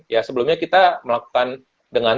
ya sebelumnya kita melakukan dengan